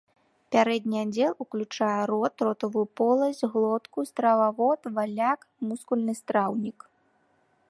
Пярэдні аддзел уключае рот, ротавую поласць, глотку, стрававод, валляк, мускульны страўнік.